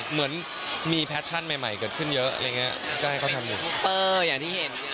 เหมือนมีแพชชั่นใหม่เกิดขึ้นเยอะอะไรอย่างนี้